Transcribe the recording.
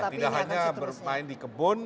tidak hanya bermain di kebun